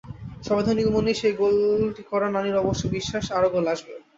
সবেধন নীলমণি সেই গোলটি করা নানির অবশ্য বিশ্বাস, আরও গোল আসবে।